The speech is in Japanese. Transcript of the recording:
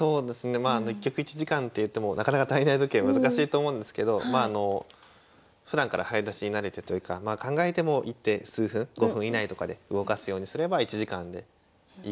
まあ１局１時間っていってもなかなか体内時計難しいと思うんですけどふだんから早指しに慣れてというか考えても１手数分５分以内とかで動かすようにすれば１時間でいい感じに終わるかなと思います。